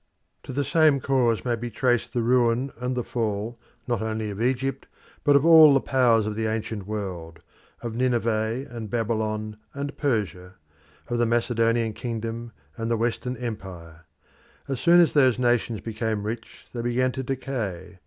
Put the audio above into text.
To the same cause may be traced the ruin and the fall, not only of Egypt, but of all the powers of the ancient world; of Nineveh and Babylon and Persia; of the Macedonian kingdom and the Western Empire. As soon as those nations became rich they began to decay.